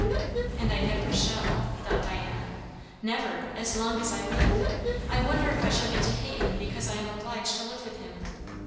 "And I never shall," thought Diana. "Never, as long as I live. I wonder if I shall get to hate him because I am obliged to live with him?